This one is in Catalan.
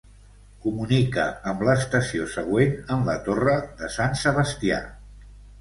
Comunica amb l'estació següent en la Torre de Sant Sebastià.